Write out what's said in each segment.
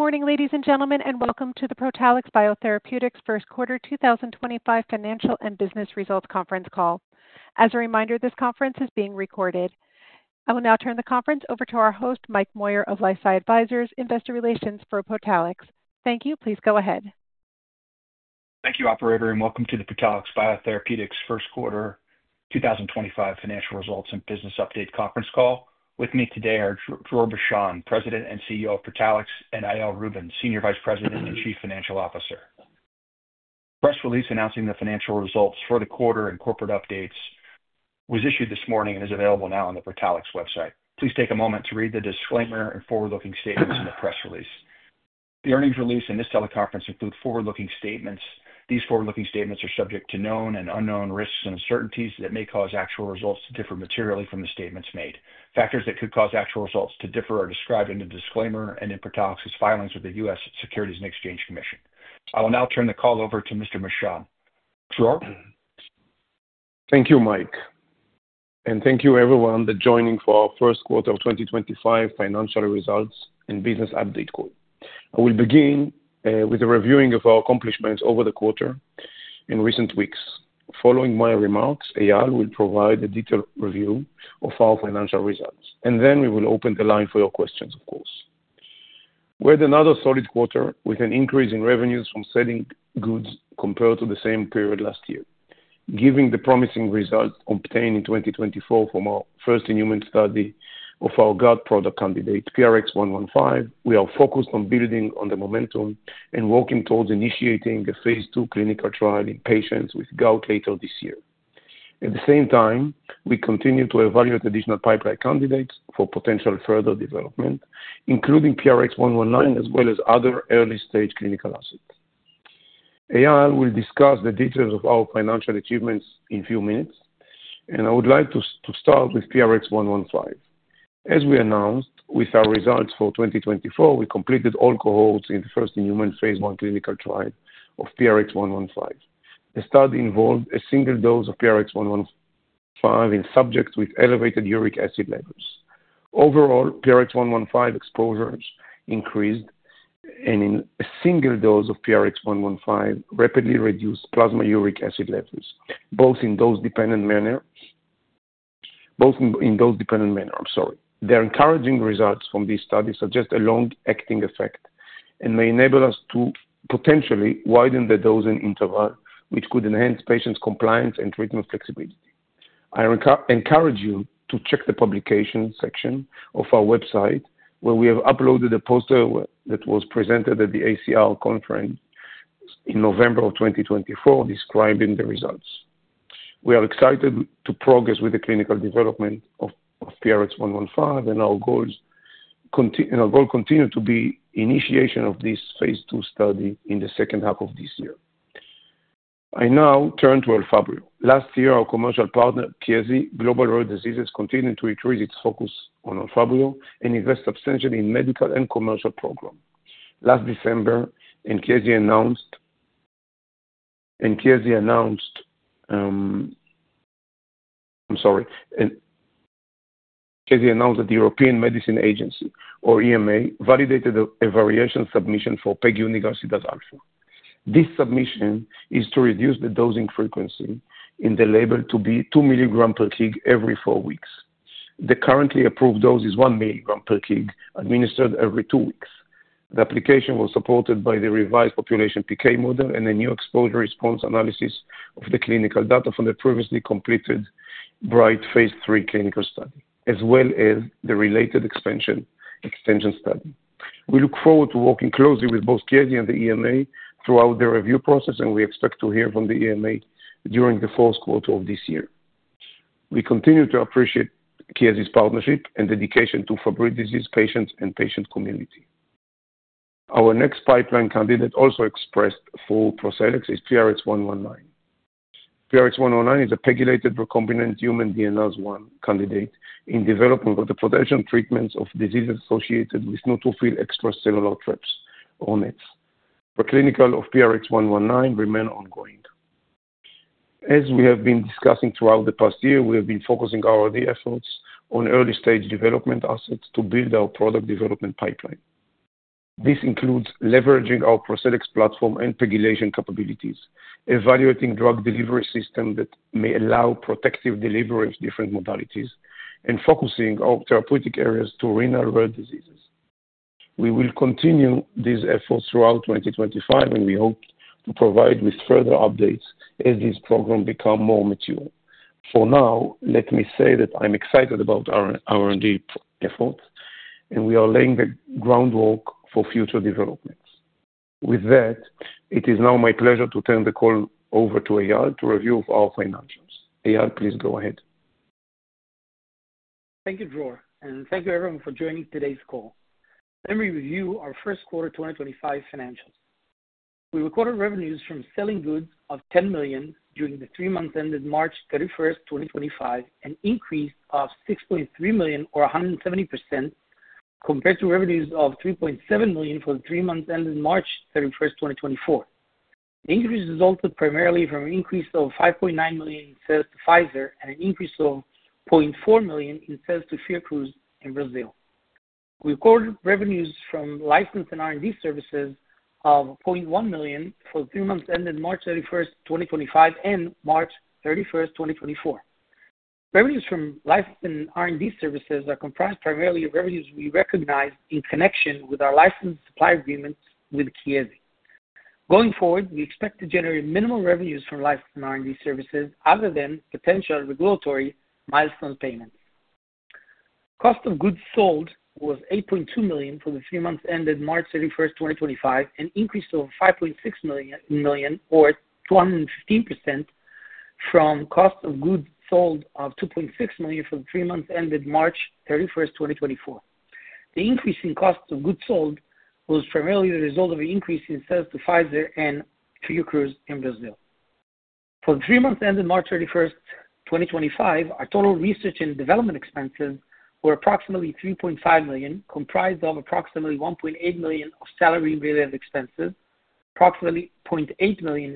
Good morning, ladies and gentlemen, and welcome to the Protalix BioTherapeutics First Quarter 2025 Financial and Business Results Conference call. As a reminder, this conference is being recorded. I will now turn the conference over to our host, Mike Moyer of LifeSci Advisors, Investor Relations for Protalix. Thank you. Please go ahead. Thank you, Operator, and welcome to the Protalix BioTherapeutics First Quarter 2025 Financial Results and Business Update Conference call. With me today are Dror Bashan, President and CEO of Protalix, and Eyal Rubin, Senior Vice President and Chief Financial Officer. The press release announcing the financial results for the quarter and corporate updates was issued this morning and is available now on the Protalix website. Please take a moment to read the disclaimer and forward-looking statements in the press release. The earnings release and this teleconference include forward-looking statements. These forward-looking statements are subject to known and unknown risks and uncertainties that may cause actual results to differ materially from the statements made. Factors that could cause actual results to differ are described in the disclaimer and in Protalix's filings with the U.S. Securities and Exchange Commission. I will now turn the call over to Mr. Bashan. Dror? Thank you, Mike. Thank you, everyone, for joining for our First Quarter 2025 Financial Results and Business Update call. I will begin with a reviewing of our accomplishments over the quarter in recent weeks. Following my remarks, Eyal will provide a detailed review of our financial results, and then we will open the line for your questions, of course. We had another solid quarter with an increase in revenues from selling goods compared to the same period last year. Given the promising results obtained in 2024 from our first-in-human study of our gout product candidate, PRX-115, we are focused on building on the momentum and working towards initiating a phase two clinical trial in patients with gout later this year. At the same time, we continue to evaluate additional pipeline candidates for potential further development, including PRX-119 as well as other early-stage clinical assets. Eyal will discuss the details of our financial achievements in a few minutes, and I would like to start with PRX-115. As we announced with our results for 2024, we completed all cohorts in the first-in-human phase one clinical trial of PRX-115. The study involved a single dose of PRX-115 in subjects with elevated uric acid levels. Overall, PRX-115 exposures increased, and a single dose of PRX-115 rapidly reduced plasma uric acid levels, both in a dose-dependent manner. Their encouraging results from these studies suggest a long-acting effect and may enable us to potentially widen the dosing interval, which could enhance patients' compliance and treatment flexibility. I encourage you to check the publication section of our website, where we have uploaded a poster that was presented at the ACR conference in November of 2024, describing the results. We are excited to progress with the clinical development of PRX-115, and our goal continues to be the initiation of this phase two study in the second half of this year. I now turn to Elfabrio. Last year, our commercial partner, Chiesi Global Rare Diseases, continued to increase its focus on Elfabrio and invest substantially in medical and commercial programs. Last December, Chiesi announced that the European Medicines Agency, or EMA, validated a variation submission for Elfabrio. This submission is to reduce the dosing frequency in the label to be 2 milligrams per kg every four weeks. The currently approved dose is 1 milligram per kg, administered every two weeks. The application was supported by the revised population PK model and a new exposure response analysis of the clinical data from the previously completed BRIGHT phase three clinical study, as well as the related extension study. We look forward to working closely with both Chiesi and the EMA throughout the review process, and we expect to hear from the EMA during the fourth quarter of this year. We continue to appreciate Chiesi's partnership and dedication to Fabry disease patients and patient community. Our next pipeline candidate also expressed for Protalix is PRX-119. PRX-119 is a pegylated recombinant human DNase I candidate in development with the potential treatment of diseases associated with neutrophil extracellular traps or NETs. The clinical of PRX-119 remains ongoing. As we have been discussing throughout the past year, we have been focusing our efforts on early-stage development assets to build our product development pipeline. This includes leveraging our ProCellEx platform and pegylation capabilities, evaluating drug delivery systems that may allow protective delivery of different modalities, and focusing our therapeutic areas to renal rare diseases. We will continue these efforts throughout 2025, and we hope to provide further updates as this program becomes more mature. For now, let me say that I'm excited about our R&D efforts, and we are laying the groundwork for future developments. With that, it is now my pleasure to turn the call over to Eyal to review our financials. Eyal, please go ahead. Thank you, Dror, and thank you, everyone, for joining today's call. Let me review our first quarter 2025 financials. We recorded revenues from selling goods of $10 million during the three months ended March 31, 2025, an increase of $6.3 million, or 170%, compared to revenues of $3.7 million for the three months ended March 31, 2024. The increase resulted primarily from an increase of $5.9 million in sales to Pfizer and an increase of $0.4 million in sales to Fiocruz in Brazil. We recorded revenues from licensed and R&D services of $0.1 million for the three months ended March 31, 2025, and March 31, 2024. Revenues from licensed and R&D services are comprised primarily of revenues we recognize in connection with our licensed supply agreements with Chiesi. Going forward, we expect to generate minimal revenues from licensed and R&D services other than potential regulatory milestone payments. Cost of goods sold was $8.2 million for the three months ended March 31, 2025, an increase of $5.6 million, or 215%, from cost of goods sold of $2.6 million for the three months ended March 31, 2024. The increase in cost of goods sold was primarily the result of an increase in sales to Pfizer and Fiocruz in Brazil. For the three months ended March 31, 2025, our total research and development expenses were approximately $3.5 million, comprised of approximately $1.8 million of salary-related expenses, approximately $0.8 million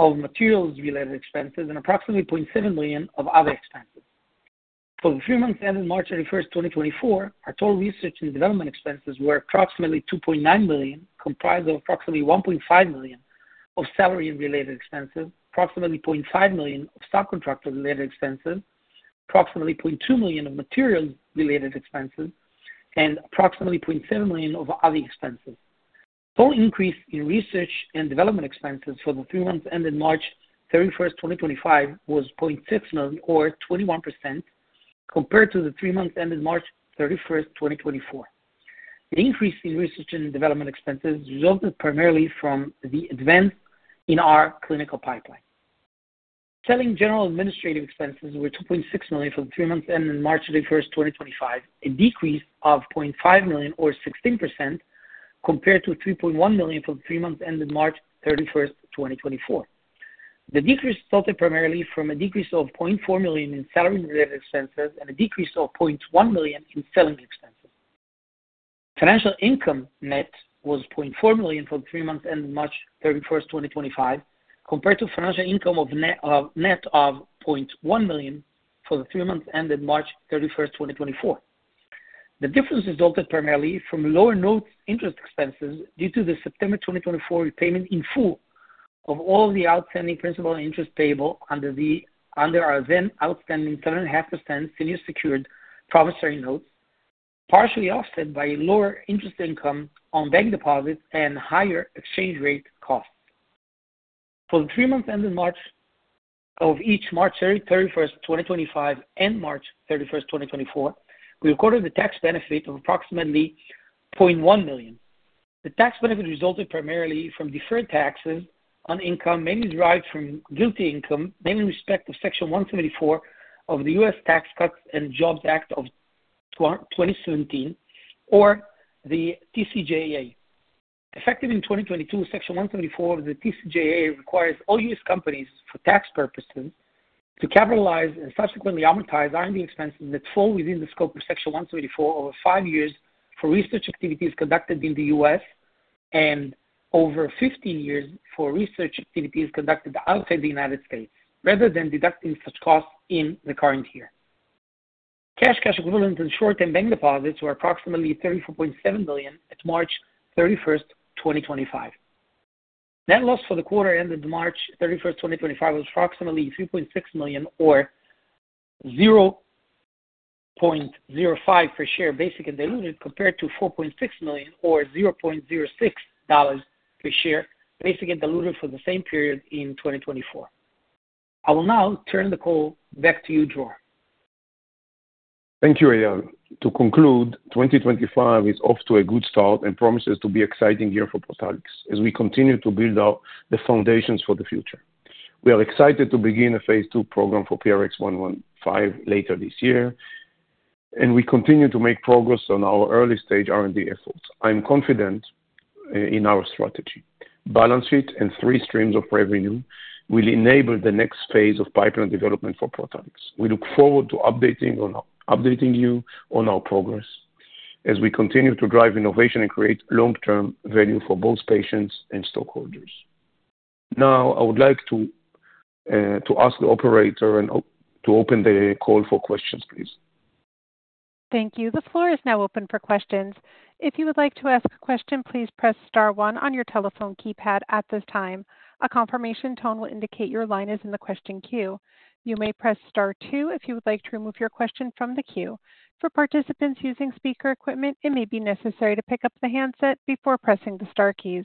of subcontractor-related expenses, approximately $0.2 million of materials-related expenses, and approximately $0.7 million of other expenses. For the three months ended March 31, 2024, our total research and development expenses were approximately $2.9 million, comprised of approximately $1.5 million of salary-related expenses, approximately $0.5 million of subcontractor-related expenses, approximately $0.2 million of materials-related expenses, and approximately $0.7 million of other expenses. The total increase in research and development expenses for the three months ended March 31, 2025 was $0.6 million, or 21%, compared to the three months ended March 31, 2024. The increase in research and development expenses resulted primarily from the advance in our clinical pipeline. Selling general administrative expenses were $2.6 million for the three months ended March 31, 2025, a decrease of $0.5 million, or 16%, compared to $3.1 million for the three months ended March 31, 2024. The decrease resulted primarily from a decrease of $0.4 million in salary-related expenses and a decrease of $0.1 million in selling expenses. Financial income net was $0.4 million for the three months ended March 31, 2025, compared to financial income net of $0.1 million for the three months ended March 31, 2024. The difference resulted primarily from lower notes' interest expenses due to the September 2024 repayment in full of all the outstanding principal and interest payable under our then outstanding 7.5% senior secured promissory notes, partially offset by lower interest income on bank deposits and higher exchange rate costs. For the three months ended March of each March 31, 2025, and March 31, 2024, we recorded the tax benefit of approximately $0.1 million. The tax benefit resulted primarily from deferred taxes on income mainly derived from GILTI income, mainly in respect of Section 174 of the U.S. Tax Cuts and Jobs Act of 2017, or the TCJA. Effective in 2022, Section 174 of the TCJA requires all U.S. companies for tax purposes to capitalize and subsequently amortize R&D expenses that fall within the scope of Section 174 over five years for research activities conducted in the U.S. And over 15 years for research activities conducted outside the United States, rather than deducting such costs in the current year. Cash, cash equivalents, and short-term bank deposits were approximately $34.7 million at March 31, 2025. Net loss for the quarter ended March 31, 2025, was approximately $3.6 million, or $0.05 per share basic and diluted, compared to $4.6 million, or $0.06 per share basic and diluted for the same period in 2024. I will now turn the call back to you, Dror. Thank you, Eyal. To conclude, 2025 is off to a good start and promises to be an exciting year for Protalix as we continue to build out the foundations for the future. We are excited to begin a phase two program for PRX-115 later this year, and we continue to make progress on our early-stage R&D efforts. I'm confident in our strategy. Balance sheet and three streams of revenue will enable the next phase of pipeline development for Protalix. We look forward to updating you on our progress as we continue to drive innovation and create long-term value for both patients and stakeholders. Now, I would like to ask the operator to open the call for questions, please. Thank you. The floor is now open for questions. If you would like to ask a question, please press star one on your telephone keypad at this time. A confirmation tone will indicate your line is in the question queue. You may press star two if you would like to remove your question from the queue. For participants using speaker equipment, it may be necessary to pick up the handset before pressing the star keys.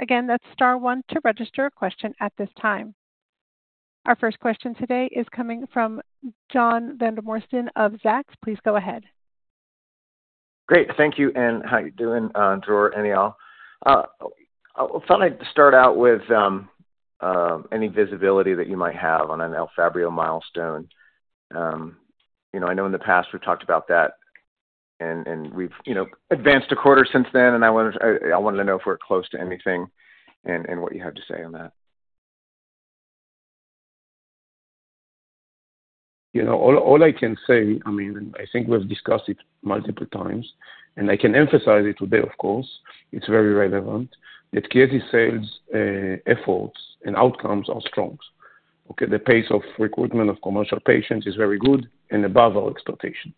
Again, that's star one to register a question at this time. Our first question today is coming from John Vandermosten of Zacks. Please go ahead. Great. Thank you. How are you doing, Dror and Eyal? I thought I'd start out with any visibility that you might have on an Elfabrio milestone. I know in the past we've talked about that, and we've advanced a quarter since then, and I wanted to know if we're close to anything and what you have to say on that. You know, all I can say, I mean, I think we've discussed it multiple times, and I can emphasize it today, of course. It's very relevant that Chiesi's sales efforts and outcomes are strong. The pace of recruitment of commercial patients is very good and above our expectations.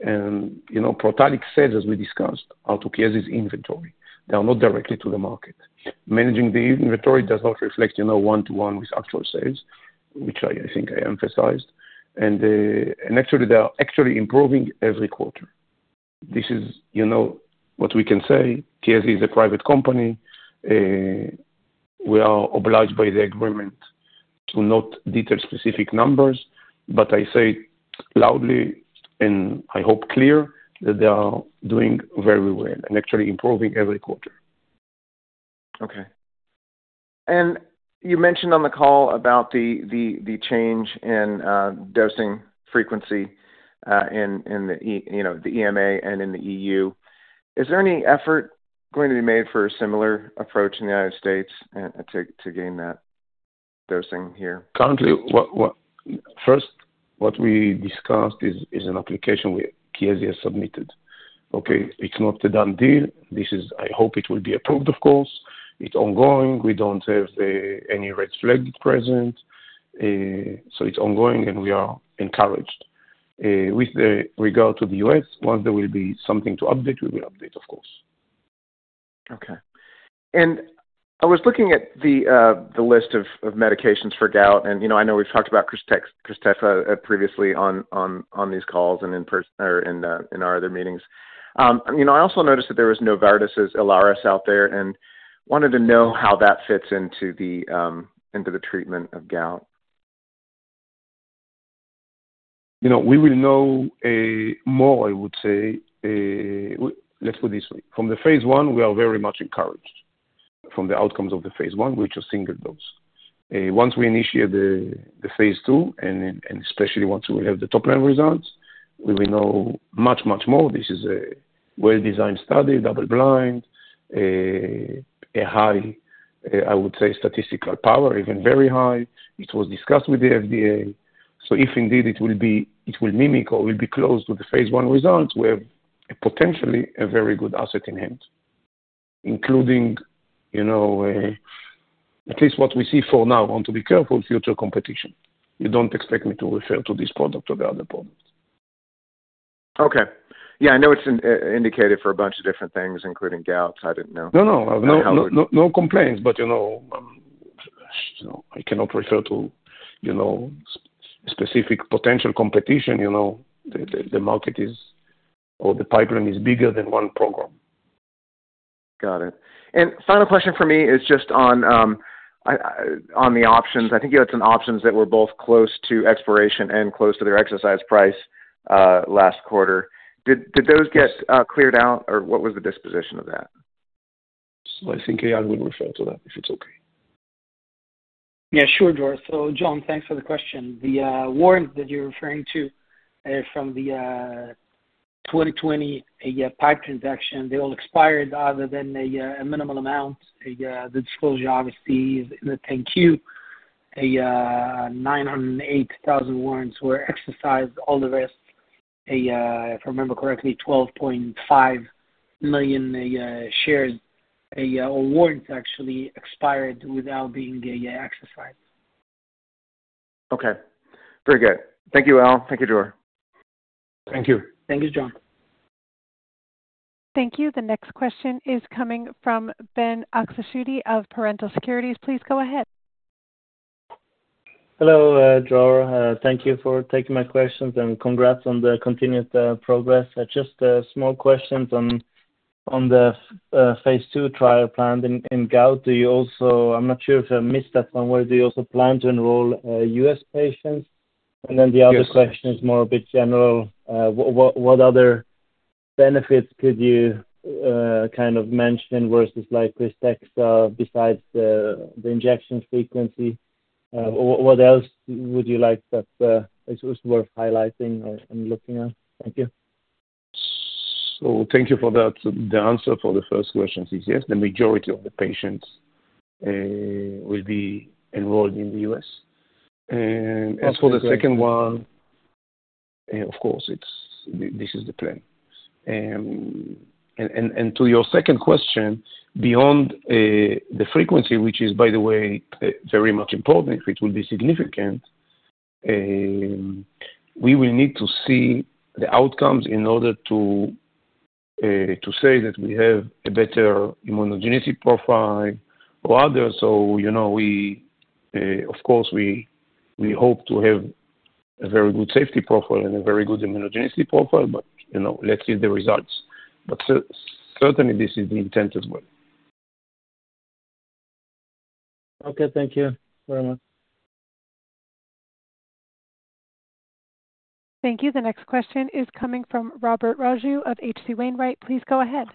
Protalix sales, as we discussed, are to Chiesi's inventory. They are not directly to the market. Managing the inventory does not reflect one-to-one with actual sales, which I think I emphasized. They are actually improving every quarter. This is what we can say. Chiesi is a private company. We are obliged by the agreement to not detail specific numbers, but I say it loudly and I hope clear that they are doing very well and actually improving every quarter. Okay. You mentioned on the call about the change in dosing frequency in the EMA and in the EU. Is there any effort going to be made for a similar approach in the United States to gain that dosing here? Currently, first, what we discussed is an application where Chiesi has submitted. Okay, it's not a done deal. I hope it will be approved, of course. It's ongoing. We don't have any red flags present. So it's ongoing, and we are encouraged. With regard to the U.S., once there will be something to update, we will update, of course. Okay. I was looking at the list of medications for gout, and I know we've talked about KRYSTEXXA previously on these calls and in our other meetings. I also noticed that there was Novartis' Ilaris out there and wanted to know how that fits into the treatment of gout. We will know more, I would say. Let's put it this way. From the phase one, we are very much encouraged from the outcomes of the phase one, which is single dose. Once we initiate the phase two, and especially once we have the top-line results, we will know much, much more. This is a well-designed study, double-blind, a high, I would say, statistical power, even very high. It was discussed with the FDA. If indeed it will mimic or will be close to the phase one results, we have potentially a very good asset in hand, including at least what we see for now. I want to be careful with future competition. You do not expect me to refer to this product or the other product. Okay. Yeah, I know it's indicated for a bunch of different things, including gout. I didn't know. No, no. No complaints, but I cannot refer to specific potential competition. The market is, or the pipeline is bigger than one program. Got it. Final question for me is just on the options. I think you had some options that were both close to expiration and close to their exercise price last quarter. Did those get cleared out, or what was the disposition of that? I think Eyal will refer to that, if it's okay. Yeah, sure, Dror. So John, thanks for the question. The warrants that you're referring to from the 2020 pipe transaction, they all expired other than a minimal amount. The disclosure, obviously, is in the thank you. 908,000 warrants were exercised. All the rest, if I remember correctly, 12.5 million shares or warrants actually expired without being exercised. Okay. Very good. Thank you, Eyal. Thank you, Dror. Thank you. Thank you, John. Thank you. The next question is coming from Ben Oksutti of Parental Securities. Please go ahead. Hello, Dror. Thank you for taking my questions and congrats on the continued progress. Just small questions on the phase two trial planned in gout. I'm not sure if I missed that one. Do you also plan to enroll U.S. patients? The other question is more a bit general. What other benefits could you kind of mention versus KRYSTEXXA besides the injection frequency? What else would you like that is worth highlighting or looking at? Thank you. Thank you for the answer for the first question. Yes, the majority of the patients will be enrolled in the U.S. As for the second one, of course, this is the plan. To your second question, beyond the frequency, which is, by the way, very much important, it will be significant. We will need to see the outcomes in order to say that we have a better immunogenicity profile or others. Of course, we hope to have a very good safety profile and a very good immunogenicity profile, but let's see the results. Certainly, this is the intent as well. Okay. Thank you very much. Thank you. The next question is coming from Robert Raju of H.C. Wainwright. Please go ahead.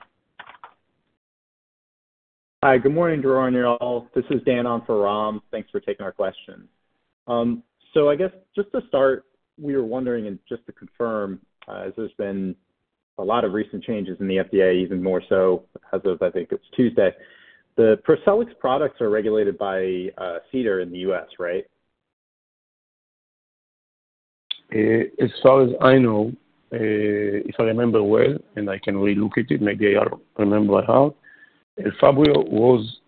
Hi. Good morning, Dror and Eyal. This is Dan on for Ram. Thanks for taking our questions. I guess just to start, we were wondering and just to confirm, as there's been a lot of recent changes in the FDA, even more so as of, I think it's Tuesday, the Protalix products are regulated by CEDAR in the U.S., right? As far as I know, if I remember well, and I can relook at it, maybe I'll remember how, Elfabrio was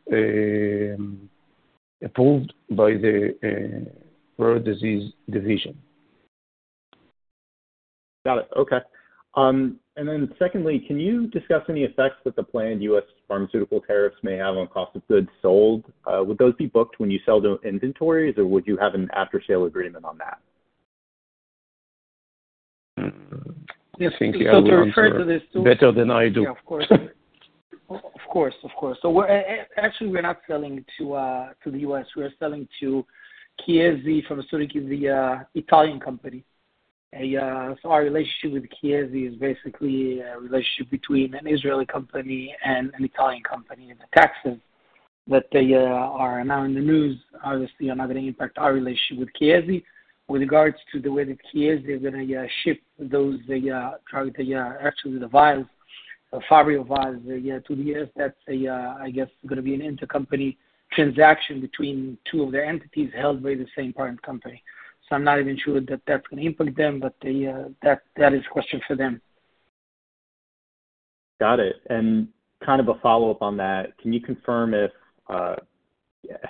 approved by the Rare Disease Division. Got it. Okay. Can you discuss any effects that the planned U.S. pharmaceutical tariffs may have on cost of goods sold? Would those be booked when you sell to inventories, or would you have an after-sale agreement on that? Yes, thank you. Eyal will refer to this too. Better than I do. Of course. Of course. So actually, we're not selling to the U.S. We are selling to Chiesi, pharmaceuticals via Italian company. Our relationship with Chiesi is basically a relationship between an Israeli company and an Italian company. The taxes that are now in the news, obviously, are not going to impact our relationship with Chiesi with regards to the way that Chiesi is going to ship those drugs, actually the vials, the Elfabrio vials, to the U.S. That's, I guess, going to be an intercompany transaction between two of the entities held by the same parent company. I'm not even sure that that's going to impact them, but that is a question for them. Got it. Kind of a follow-up on that, can you confirm if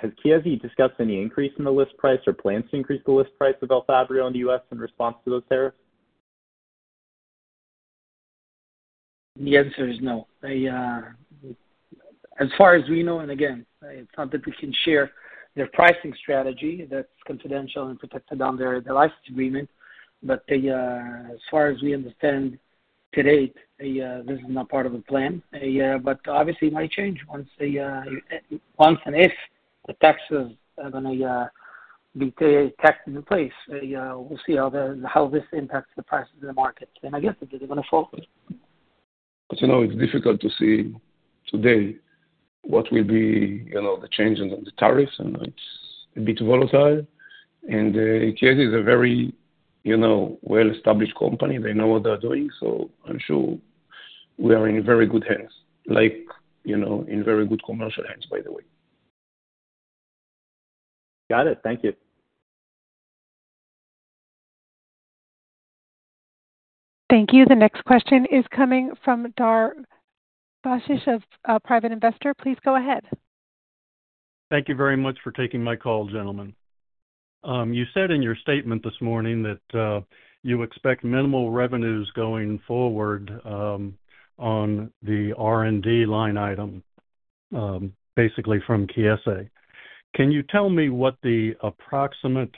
has Chiesi discussed any increase in the list price or plans to increase the list price of Elfabrio in the U.S. in response to those tariffs? The answer is no. As far as we know, and again, it's not that we can share their pricing strategy. That's confidential and protected under their license agreement. As far as we understand to date, this is not part of the plan. Obviously, it might change once and if the taxes are going to be tacked into place. We'll see how this impacts the prices in the market. I guess it's going to follow. It is difficult to see today what will be the changes in the tariffs. It is a bit volatile. And Chiesi is a very well-established company. They know what they are doing. I am sure we are in very good hands, in very good commercial hands, by the way. Got it. Thank you. Thank you. The next question is coming from Dara Vashish a private investor. Please go ahead. Thank you very much for taking my call, gentlemen. You said in your statement this morning that you expect minimal revenues going forward on the R&D line item, basically from Chiesi. Can you tell me what the approximate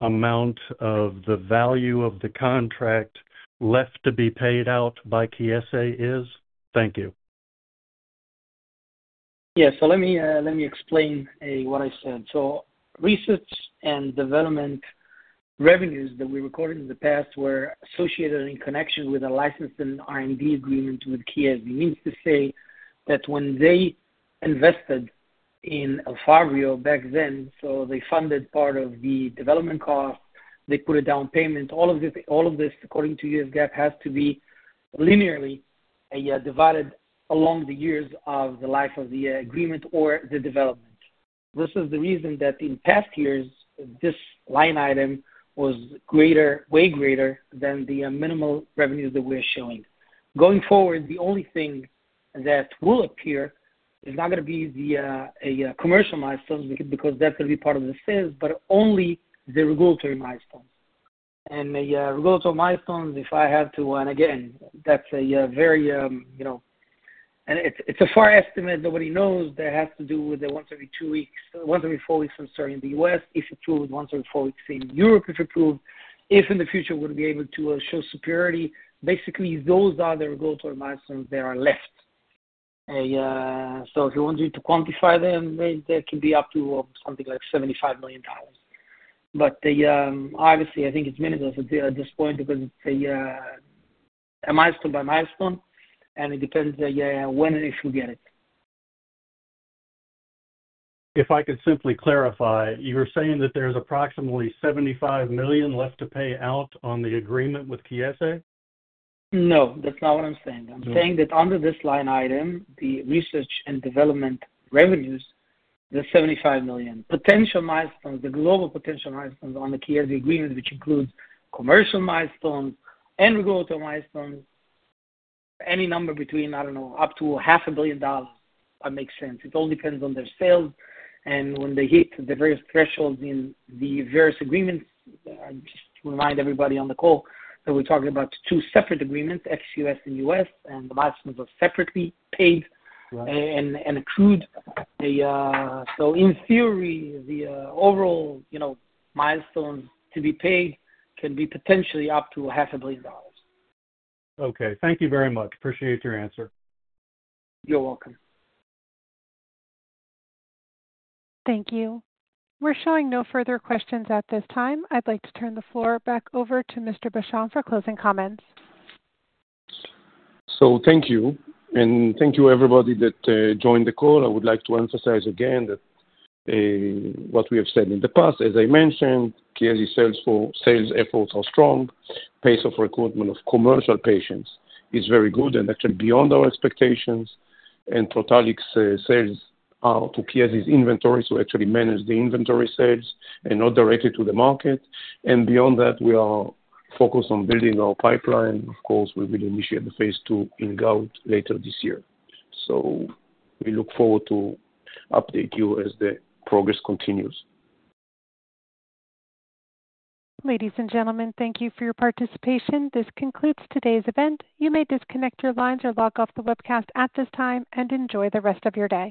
amount of the value of the contract left to be paid out by Chiesi is? Thank you. Yeah. Let me explain what I said. Research and development revenues that we recorded in the past were associated in connection with a license and R&D agreement with Chiesi. It means to say that when they invested in Elfabrio back then, they funded part of the development cost, they put a down payment. All of this, according to U.S. GAAP, has to be linearly divided along the years of the life of the agreement or the development. This is the reason that in past years, this line item was way greater than the minimal revenues that we are showing. Going forward, the only thing that will appear is not going to be the commercial milestones because that is going to be part of the sales, but only the regulatory milestones. The regulatory milestones, if I have to, and again, that is a very—it is a far estimate. Nobody knows. That has to do with the 134 weeks from starting in the U.S. If approved, 134 weeks in Europe if approved. If in the future, we're going to be able to show superiority. Basically, those are the regulatory milestones that are left. If you want to quantify them, that could be up to something like $75 million. Obviously, I think it's minimal at this point because it's a milestone by milestone, and it depends on when and if you get it. If I could simply clarify, you're saying that there's approximately $75 million left to pay out on the agreement with Chiesi? No. That's not what I'm saying. I'm saying that under this line item, the research and development revenues, the $75 million. Potential milestones, the global potential milestones on the Chiesi agreement, which includes commercial milestones and regulatory milestones, any number between, I don't know, up to $500,000,000, if that makes sense. It all depends on their sales. And when they hit the various thresholds in the various agreements, I just remind everybody on the call that we're talking about two separate agreements, ex-U.S. and U.S., and the milestones are separately paid and accrued. In theory, the overall milestones to be paid can be potentially up to $500,000,000. Okay. Thank you very much. Appreciate your answer. You're welcome. Thank you. We're showing no further questions at this time. I'd like to turn the floor back over to Mr. Bashan for closing comments. Thank you. Thank you, everybody that joined the call. I would like to emphasize again that what we have said in the past, as I mentioned, Chiesi's sales efforts are strong. Pace of recruitment of commercial patients is very good and actually beyond our expectations. Protalix sales are to Chiesi's inventory, so actually manage the inventory sales and not directly to the market. Beyond that, we are focused on building our pipeline. Of course, we will initiate the phase two in gout later this year. We look forward to update you as the progress continues. Ladies and gentlemen, thank you for your participation. This concludes today's event. You may disconnect your lines or log off the webcast at this time and enjoy the rest of your day.